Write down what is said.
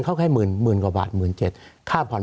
สวัสดีครับทุกคน